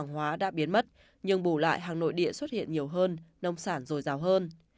hàng hóa đã biến mất nhưng bù lại hàng nội địa xuất hiện nhiều hơn nông sản dồi dào hơn